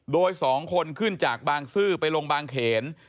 โดย๒คนขึ้นจากบางซื่อไปลงบางเขน